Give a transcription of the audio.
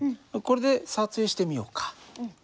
これで撮影してみようか。